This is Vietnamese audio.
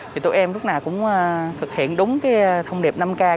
thì tụi em lúc nào cũng thực hiện đúng cái thông điệp năm k